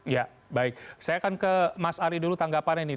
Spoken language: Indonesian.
ya baik saya akan ke mas ari dulu tanggapannya ini